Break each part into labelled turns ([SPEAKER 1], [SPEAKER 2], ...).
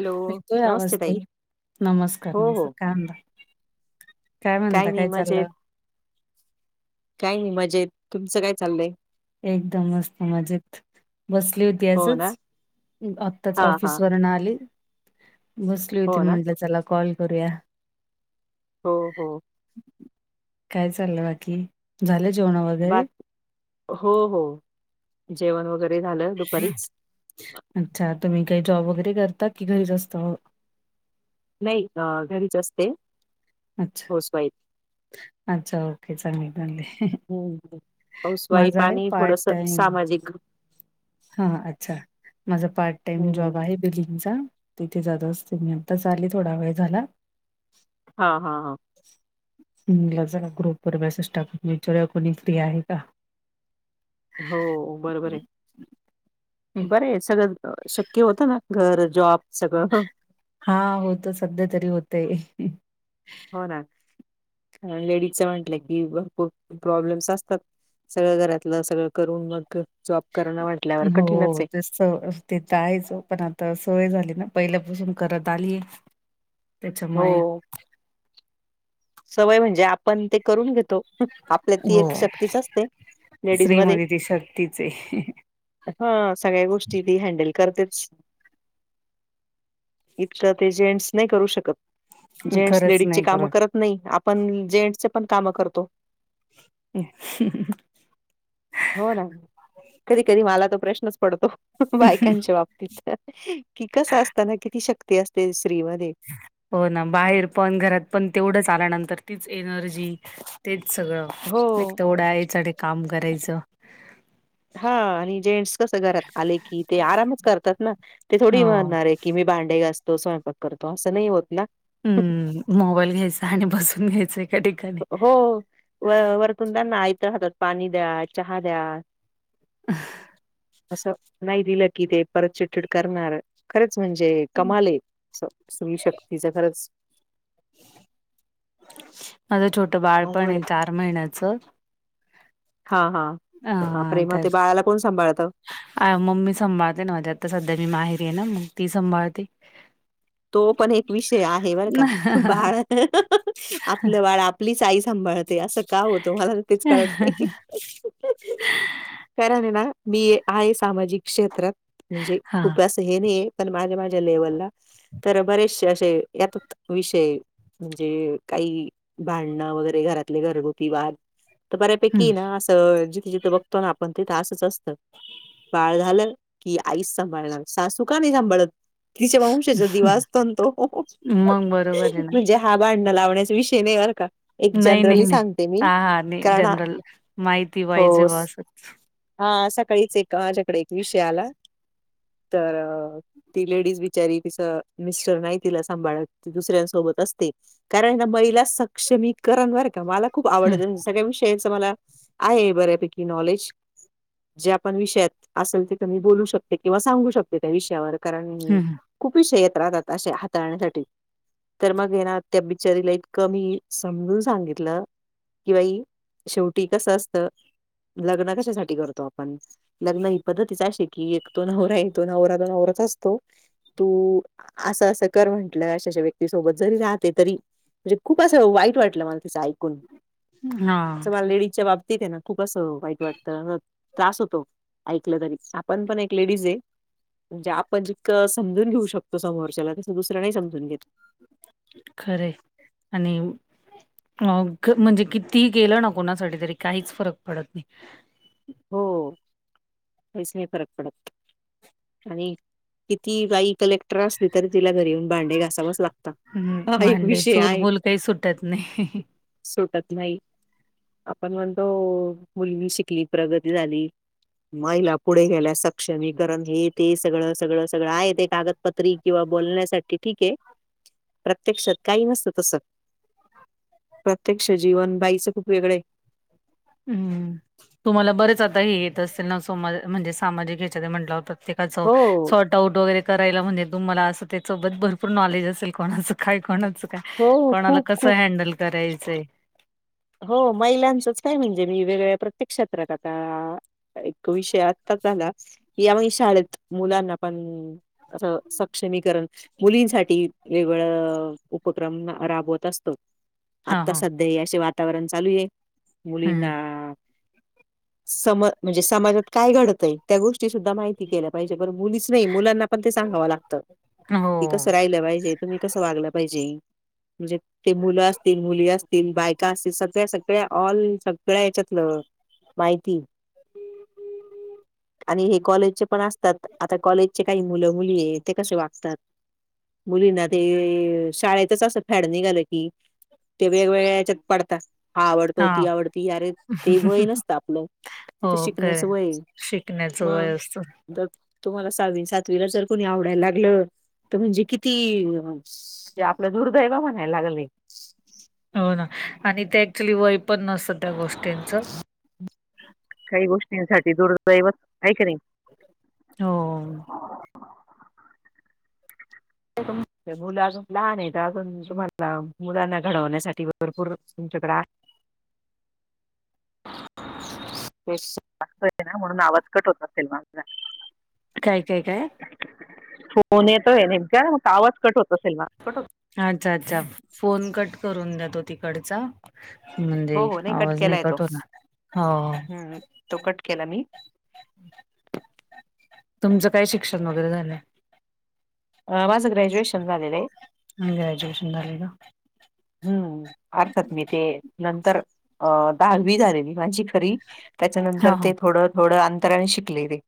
[SPEAKER 1] Hello
[SPEAKER 2] येतोय आवाज
[SPEAKER 1] नमस्ते
[SPEAKER 2] ताई नमस्कार,
[SPEAKER 1] हो हो
[SPEAKER 2] काय म्हणता? काय
[SPEAKER 1] काही
[SPEAKER 2] म्हणता,
[SPEAKER 1] नाही
[SPEAKER 2] काय चाललं?
[SPEAKER 1] काय नाही मजेत, तुमचं काय चाललंय?
[SPEAKER 2] एकदमच मजेत, बसली होती
[SPEAKER 1] हो ना
[SPEAKER 2] असच. आत्ताच
[SPEAKER 1] हा हा
[SPEAKER 2] ऑफिस वरन आली, बसली होती
[SPEAKER 1] हो ना
[SPEAKER 2] म्हटलं चला कॉल करूया.
[SPEAKER 1] हो हो
[SPEAKER 2] काय चाललं बाकी, झालं जेवणं
[SPEAKER 1] बा
[SPEAKER 2] वगैरे?
[SPEAKER 1] हो हो जेवण वगैरे झालं दुपारीच
[SPEAKER 2] अच्छा तुम्ही काही जॉब वगैरे करता, की घरीच असता मग?
[SPEAKER 1] नाही घरीच असते.
[SPEAKER 2] अच्छा
[SPEAKER 1] हाऊस वाईफ.
[SPEAKER 2] अच्छा ओके, चांगलं आहे चांगलं आहे.
[SPEAKER 1] हं हं हाऊस वाईफ आणि थोडस सामाजिक
[SPEAKER 2] हा अच्छा, माझा पार्ट टाइम
[SPEAKER 1] हम्म
[SPEAKER 2] जॉब आहे बिलिंगचा तिथे जात असते मी, आताच आली थोडा वेळ झाला.
[SPEAKER 1] हा हा हा
[SPEAKER 2] मग म्हणलं जरा ग्रुपवर मेसेज टाकुन विचारुया, कोणी फ्री आहे का.
[SPEAKER 1] हो बरोबर आहे बर आहे, सगळं शक्य होतं ना घर जॉब सगळं.
[SPEAKER 2] हा होत, सध्या तरी होतय.
[SPEAKER 1] हो ना लेडीजच म्हटलं की खूप प्रॉब्लेम्स असतात. सगळं घरातलं सगळं करून मग जॉब करणं म्हटल्यावर
[SPEAKER 2] हो
[SPEAKER 1] कठीणच आहे.
[SPEAKER 2] तेच स ते तर आहेच पण आता सवय झाली ना पहिल्यापासून करत आलीय. त्याच्यामुळे
[SPEAKER 1] हो सवय म्हणजे आपण ते करून घेतो आपल्यात ती
[SPEAKER 2] हो
[SPEAKER 1] एक शक्तीच असते, लेडीज मध्ये.
[SPEAKER 2] स्त्रीमध्ये ती शक्तीच आहे
[SPEAKER 1] हा सगळ्या गोष्टी ती हँडल करतेच. इतकं ते जेंट्स नाही करू शकत, जेंट्स
[SPEAKER 2] खरंच
[SPEAKER 1] लेडीज चे
[SPEAKER 2] नाही
[SPEAKER 1] काम
[SPEAKER 2] करून
[SPEAKER 1] करत नाही आपण जेंट्सचं पण काम करतो.
[SPEAKER 2] ह
[SPEAKER 1] हो ना, कधी कधी मला तर प्रश्नच पडतो बायकांच्या बाबतीत कि, कसं असताना किती शक्ती मध्ये
[SPEAKER 2] हो ना बाहेर पण घरात पण तेवढंच आल्यानंतर तीच एनर्जी तेच सगळं एक
[SPEAKER 1] हो.
[SPEAKER 2] तेवढं याच आणि काम करायचं.
[SPEAKER 1] हा आणि जेंट्स कस घरात आले की ते आरामच करतात ना, ते थोडी
[SPEAKER 2] हो.
[SPEAKER 1] म्हणार आहेत कि मी भांडे घासतो, स्वयंपाक करतो असं नाही होत ना.
[SPEAKER 2] हम्म मोबाईल घ्यायचा आणि बसून घ्यायचंय एक
[SPEAKER 1] हो व वरतून त्यांना आयतं हातात पाणी द्या, चहा द्या.
[SPEAKER 2] अ
[SPEAKER 1] असं नाही दिलं की, ते परत चिडचिड करणार खरंच म्हणजे कमाल आहे असं स्त्री शक्तीचा खरंच.
[SPEAKER 2] माझं छोटं बाळ पण आहे चार महिन्याचं.
[SPEAKER 1] हा हा हा प बाप रे मग
[SPEAKER 2] तर
[SPEAKER 1] ते बाळाला कोण सांभाळतं?
[SPEAKER 2] अ मम्मी सांभाळते ना माझ्या आता सध्या मी माहेरीय ना मग ती सांभाळते.
[SPEAKER 1] तो पण एक विषय आहे बर का बाळ आपलं बाळ आपलीच आई सांभाळ ते असं का होतं मला तर तेच कळत नाही. कारण हाय ना मी आहे सामाजिक क्षेत्रात म्हणजे
[SPEAKER 2] हां,
[SPEAKER 1] खूपच हे नाही पण माझ्या माझ्या लेवलला तर बरेचसे असे यातात विषय म्हणजे काही भांडणं वगैरे घरातले घरगुती वाद तर
[SPEAKER 2] हं.
[SPEAKER 1] बऱ्यापैकी ना असं जिथ जिथं बघतो ना आपण तिथं असंच असतं. बाळ झालं की आईच सांभाळणार, सासू का नाही सांभाळत तिचे वंशजत दिवा असतो ना तो
[SPEAKER 2] मग बरोबर आहे ना.
[SPEAKER 1] म्हणजे हा भांडण लावण्याचा विषय नाही बर का? एक
[SPEAKER 2] नाही नाही
[SPEAKER 1] जनरली
[SPEAKER 2] नाही
[SPEAKER 1] सांगते मी.
[SPEAKER 2] हा हा नाही
[SPEAKER 1] कारण हा
[SPEAKER 2] जनरल माहिती पाहिजे
[SPEAKER 1] हो.
[SPEAKER 2] बा
[SPEAKER 1] स
[SPEAKER 2] असं.
[SPEAKER 1] हा सकाळीच एक माझ्याकडे एक विषय आला. तर ती लेडीज बिचारी तिच मिस्टर नाही तिला सांभाळत ती दुसऱ्यांसोबत असते कारण ना महिला सक्षमीकरण बर का मला खूप
[SPEAKER 2] हं,
[SPEAKER 1] आवडत सगळ्या विषयाच मला आहे बऱ्यापैकी नॉलेज. जे आपण विषयात असेल तीथ मी बोलू शकते किंवा सांगू शकते त्या विषयावर. कारण
[SPEAKER 2] हं. हं.
[SPEAKER 1] खूप विषय येत राहतात असे हाताळण्यासाठी. तर मग हे ना त्या बिचारीला इतकं मी समजून सांगितलं कि बाई शेवटी कस असत लग्न कशासाठी करतो आपण? लग्न ही पद्धतच अशीय की एक तो नवराय, तो नवरा नवराच असतो तू असं असं कर म्हंटलं अशा अशा व्यक्तीसोबत जरी राहते तरी म्हणजे खूप असं वाईट वाटलं मला तिचं ऐकून
[SPEAKER 2] हां,
[SPEAKER 1] असं मला लेडीजच्या बाबतीेत आहे ना खूप असं वाईट वाटतं, त्रास होतो ऐकलं तरी, आपण पण एक लेडीजय. म्हणजे आपण जितक समजून घेऊ शकतो समोरच्याला तसं दुसर नाही समजून घेत.
[SPEAKER 2] खरय आणि अ म्हणजे कितीही केलं ना कोणासाठी तरी काहीच फरक पडत नाही.
[SPEAKER 1] हो काहीच नाही फरक पडत. आणि किती बाई कलेक्टर असली तरी तिला घरी येऊन भांडे घासावच लागत.
[SPEAKER 2] हम्म
[SPEAKER 1] हा एक
[SPEAKER 2] भांडे
[SPEAKER 1] विषय
[SPEAKER 2] चूल
[SPEAKER 1] आहे
[SPEAKER 2] मूल काय सुटत नाही.
[SPEAKER 1] सुटत नाही आपण म्हणतो मुलगी शिकली प्रगती झाली. महिला पुढे गेल्या सक्षमीकरण हे ते सगळं सगळं सगळं आहे ते कागद पत्री किंवा बोलण्यासाठी ठीकय प्रत्यक्षात काही नसतं तसं. प्रत्यक्ष जीवन बाईचं खूप वेगळय.
[SPEAKER 2] हम्म तुम्हाला बरेच आता हे येत असतील ना समा म्हणजे सामाजिक ह्याच्यात म्हटल्यावर
[SPEAKER 1] हो
[SPEAKER 2] तर? [unintelligible] डाऊट वगैरे करायला म्हणजे तुम्हाला असं त्यासोबत भरपूर नॉलेज असेल कोणाचं काय कोणाचं काय
[SPEAKER 1] हो
[SPEAKER 2] कोणाला
[SPEAKER 1] खूप
[SPEAKER 2] कसं
[SPEAKER 1] खूप
[SPEAKER 2] हँडल करायचंय.
[SPEAKER 1] हो महिलांचंच काय म्हणजे मी वेगळ्या प्रत्येक क्षेत्रात आता एक विषय आत्ताच झाला या [unintelligible] शाळेत मुलांना पण अस सक्षमीकरण मुलींसाठी वेगळं वेगळं उपक्रम राबवत असतो
[SPEAKER 2] हा
[SPEAKER 1] आता
[SPEAKER 2] हा
[SPEAKER 1] सध्या असे वातावरण चालू आहे
[SPEAKER 2] हम्म
[SPEAKER 1] मुलींना सम म्हणजे समाजात काय घडतंय त्या गोष्टी सुद्धा माहिती केल्या. पाहिजे बरं मुलीच नाही मुलांना पण ते सांगावं लागतं. की कसं
[SPEAKER 2] हो.
[SPEAKER 1] राहिलं पाहिजे तुम्ही कसं वागलं पाहिजे. म्हणजे ते मुलं असतील मुली असतील बायका सगळ्या सगळ्या ऑल सगळ्या ह्याच्यातलं माहिती हम् हम आणि हे कॉलेजचे पण असतात आता कॉलेजचे काही मुलं मुली ते कसे वागतात. मुलींना ते शाळेतच असं फॅड निघालं की ते वेगवेगळ्या पडतात हा आवडतो ती आवडती आरे ते वय नसतं आपलं
[SPEAKER 2] हो
[SPEAKER 1] तिथं
[SPEAKER 2] खरंय
[SPEAKER 1] शिकण्याचं वय
[SPEAKER 2] शिकण्याचं
[SPEAKER 1] म
[SPEAKER 2] वय असतं
[SPEAKER 1] तर तुम्हाला सहावी, सातवीला जर कोणी आवडायला लागलं तर म्हणजे किती ते आपलं दुर्दैव म्हणाया लागल हे
[SPEAKER 2] हो ना आणि ते ऍक्च्युली वय पण नसतं त्या गोष्टींच
[SPEAKER 1] काही गोष्टींसाठी दुर्दैवच आहे की नाही
[SPEAKER 2] हो.
[SPEAKER 1] मुलं अजून लहान आहेत. अजून तुम्हाला मुलांना घडवण्यासाठी भरपूर तुमच्याकडे आहे. [unintelligible] तेच आहे ना म्हणून आवाज कट होत असेल मागचा
[SPEAKER 2] काय काय काय
[SPEAKER 1] फोन येतोय नेमका मग आवाज कट होत असेल मागचा
[SPEAKER 2] अच्छा, अच्छा फोन कट करून द्या तो तिकडचा
[SPEAKER 1] हो
[SPEAKER 2] म्हणजे
[SPEAKER 1] हो
[SPEAKER 2] आवाज नाही
[SPEAKER 1] केलाय तो
[SPEAKER 2] कट होणार हो
[SPEAKER 1] हम्म तो कट केला मी
[SPEAKER 2] तुमचं काय शिक्षण वगैरे झालंय.
[SPEAKER 1] माझं ग्रॅज्युएशन झालेलं आहे.
[SPEAKER 2] ग्रॅज्युएशन झालाय का?
[SPEAKER 1] हम्म अर्थात मी ते नंतर अ दहावी झालेली माझी खरी
[SPEAKER 2] हा
[SPEAKER 1] त्याच्यानंतर
[SPEAKER 2] हा.
[SPEAKER 1] ते थोडं थोडं अंतराने शिकलेली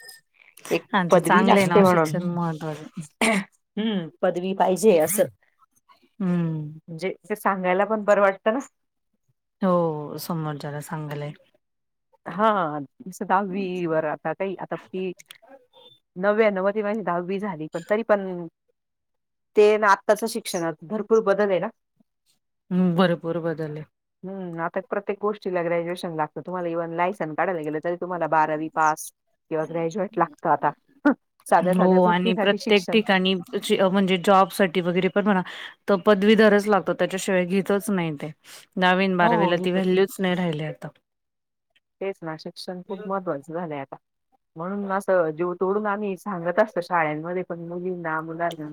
[SPEAKER 1] एक
[SPEAKER 2] अच्छा
[SPEAKER 1] पदवी
[SPEAKER 2] चांगलं आहे
[SPEAKER 1] लागते
[SPEAKER 2] ना
[SPEAKER 1] म्हणून.
[SPEAKER 2] शिक्षण महत्त्वाचं
[SPEAKER 1] हम्म पदवी पाहिजे असं
[SPEAKER 2] हम्म.
[SPEAKER 1] म्हणजे ते सांगायला पण बरं वाटतं ना?
[SPEAKER 2] हो समोरच्याला सांगायलाही
[SPEAKER 1] हां हां तसं दहावी वर आता काही आता फी नव्यानव वर माझी दहावी झाली पण तरी पण ते अन आत्ताचं शिक्षणात भरपूर बदल आहे ना
[SPEAKER 2] हम्म भरपूर बदल आहे.
[SPEAKER 1] हम्म आता प्रत्येक गोष्टीला ग्रॅज्युएशन लागतं तुम्हाला इकडंन लायसन काढायला गेल तरी तुम्हाला बारावी पास किंवा ग्रॅज्युएट लागतं आता साध्या साध्या
[SPEAKER 2] हो आणि
[SPEAKER 1] गोष्टींसाठी
[SPEAKER 2] प्रत्येक
[SPEAKER 1] शिक्षण
[SPEAKER 2] ठिकाणी म्हणजे जॉब साठी वगैरे पण म्हणा तर पदवीधरच लागतो त्याच्याशिवाय घेतचं नाही ते दहावी अन
[SPEAKER 1] हो,
[SPEAKER 2] बारावीला
[SPEAKER 1] हो.
[SPEAKER 2] बारावीला ती
[SPEAKER 1] घेतच ना.
[SPEAKER 2] व्हॅल्यूच नाही राहिली आता
[SPEAKER 1] तेच ना शिक्षण खूप महत्त्वाचं झालय आता म्हणून असं जीव तोडून आम्ही सांगत असत शाळांमध्ये पण मुलींना मुलांना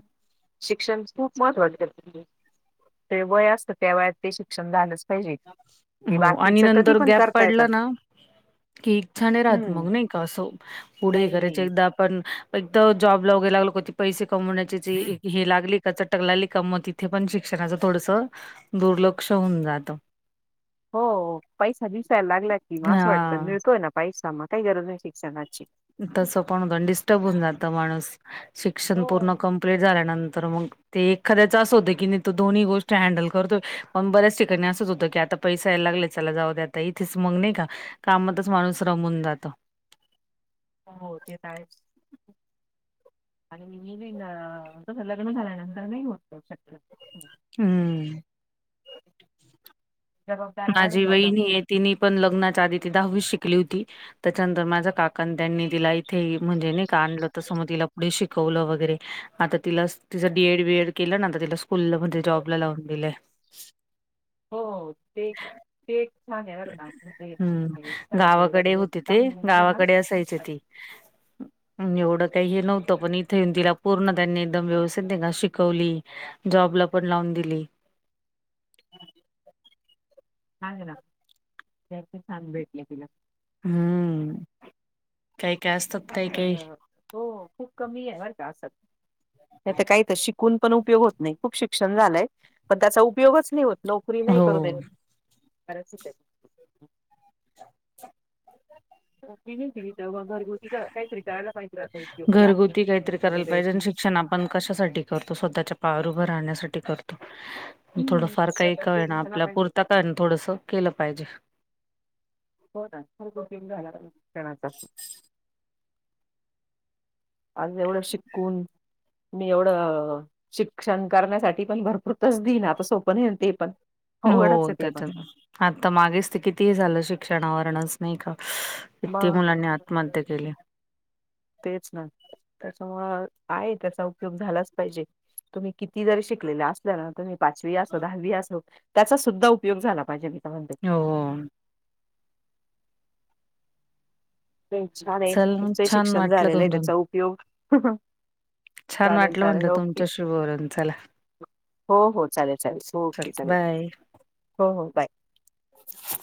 [SPEAKER 1] शिक्षण खूप महत्वाच आहे ते वय असत त्या वयात ते शिक्षण झालंच पायजे ते
[SPEAKER 2] हो आणि
[SPEAKER 1] बाकीच कधी
[SPEAKER 2] नंतर
[SPEAKER 1] पण
[SPEAKER 2] गॅप
[SPEAKER 1] करता येतं.
[SPEAKER 2] पडला ना की इच्छा नई राहत
[SPEAKER 1] हम्म
[SPEAKER 2] मग नई का असं पुढे
[SPEAKER 1] नाही
[SPEAKER 2] करायच
[SPEAKER 1] नाही.
[SPEAKER 2] एकदा पण एकदा जॉबला वगैरे लागल का ते पैसे कमवण्याची जी हे लागली का चटक लागली का म ती तिथे पण शिक्षणाचं थोडस दुर्लक्ष होऊन जातं.
[SPEAKER 1] हो पैसा दिसायल लागला कि म असं वाटतं
[SPEAKER 2] हा
[SPEAKER 1] मिळतोय ना पैसा म काई गरज नई शिक्षणाची
[SPEAKER 2] तसं पण होतं न डिस्टर्ब होऊन जातं माणूस, शिक्षण
[SPEAKER 1] हो
[SPEAKER 2] पूर्ण कंप्लीट झाल्यानंतर मंग ते एखादयाच असं होतं की नी तो दोन्ही गोष्ट हँडल करतोय पण बऱ्याच ठिकाणी असंच होतं की आता पैसा यायला लागले चला जाऊ द्या आता इथेच मंग नई का कामातच माणूस रमून जातो.
[SPEAKER 1] हो ते त आहेच. आणि मुलींना तसं लग्न झाल्यानंतर नई होत शक्य
[SPEAKER 2] हम्म
[SPEAKER 1] जबाबदाऱ्या वाढून
[SPEAKER 2] माझी
[SPEAKER 1] जातात.
[SPEAKER 2] वहिणीये तिनी पण लग्नाच्या आधी ती दहावीच शिकली होती त्याच्यानंतर माझा काकानं त्यांनी तीला ई थे म्हणजे नी का आणलं तसं म तिला पुढे शिकवलं वगैरे आता तिलास् तिचं डी. एड, बी. एड केलं ना आता तिला स्कूलला मधे जॉबला लावून दिलंय.
[SPEAKER 1] हो ते ते एक छाने बरं का
[SPEAKER 2] हम्म
[SPEAKER 1] म्हणजे
[SPEAKER 2] गावाकडे
[SPEAKER 1] [unintelligible]
[SPEAKER 2] असायचं ते
[SPEAKER 1] [unintelligible]
[SPEAKER 2] अन् एवढं काई हे नव्हतं पण इथे येऊन तिला पूर्ण त्यांनी एकदम व्यवस्थित नई का शिकवली. जॉबला पण लावून दिली.
[SPEAKER 1] हांग ना त्यांचे छान भेटले तिला.
[SPEAKER 2] हम्म. काय काय असतात काही काही
[SPEAKER 1] अच्छा तो खूप कमीये बर का असत नाईतर काई त शिकून पण उपयोग होत नई खूप शिक्षण झालंय पण त्याचा उपयोगच नई होत. नोकरी नाई करू देत.
[SPEAKER 2] हो.
[SPEAKER 1] बराच ठीकानी् नोकरी नई केली. तेव्हा घरगुती ग काईतरी कारायला पायजे असं उद्योग प्लास्टिक
[SPEAKER 2] घरगुती
[SPEAKER 1] उग
[SPEAKER 2] काहीतरी
[SPEAKER 1] क्लास
[SPEAKER 2] करायला
[SPEAKER 1] वगैरे
[SPEAKER 2] पाहिजे आणि शिक्षण आपण कशासाठी करतो स्वतःच्या पायावर उभं राहण्यासाठी करतो. थोडंफार काई
[SPEAKER 1] त्याचा
[SPEAKER 2] का होयना
[SPEAKER 1] उपयोग झाला
[SPEAKER 2] आपला
[SPEAKER 1] पाहिजे
[SPEAKER 2] पुरता का होयना थोडस केलं पायजे.
[SPEAKER 1] हो ना [unintelligible] शिक्षणाचा आज एवढं शिकून मी एवढं शिक्षण करण्यासाठी पण भरपूर तसदियना आता सोपं नई न ते पण अवघडच
[SPEAKER 2] हो
[SPEAKER 1] आहे ते पण
[SPEAKER 2] त्याच्यान आता मागेच ते कितीही झालं शिक्षणावरणच नई का किती
[SPEAKER 1] मग
[SPEAKER 2] मुलांनी आत्महत्या केल्या.
[SPEAKER 1] तेच ना त्याच्यामुळं आहे त्याचा उपयोग झालांच पायजे तुम्ही किती जरी शिकलेल्या अस -ल्यानं तुम्ही पाचवी असो दहावी असो त्याचा सुध्दा उपयोग झाला पायजे मी त म्हणते
[SPEAKER 2] हो
[SPEAKER 1] छाने
[SPEAKER 2] चल मग
[SPEAKER 1] तुमचंई
[SPEAKER 2] छान
[SPEAKER 1] शिक्षण
[SPEAKER 2] वाटलं
[SPEAKER 1] झालेलंय
[SPEAKER 2] तुमच
[SPEAKER 1] त्याचा उपयोग
[SPEAKER 2] छान
[SPEAKER 1] चालेल
[SPEAKER 2] वाटलं म्हणलं
[SPEAKER 1] चालेल ओके.
[SPEAKER 2] तुमच्याशी बोलून चला
[SPEAKER 1] हो हो चालेल चालेल
[SPEAKER 2] चल
[SPEAKER 1] ओके चालेल
[SPEAKER 2] बाय.
[SPEAKER 1] हो हो बाय.
[SPEAKER 2] ह [inaudible]